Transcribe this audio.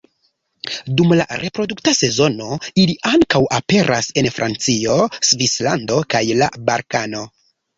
Dum la reprodukta sezono ili ankaŭ aperas en Francio, Svislando kaj la Balkano.